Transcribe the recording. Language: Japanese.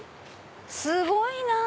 すごいなぁ！